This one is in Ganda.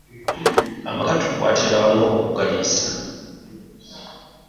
Amaka tukwatira wamu okugaliisa.